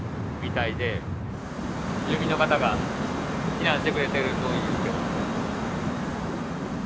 住民の方が避難してくれてるといいんですけど。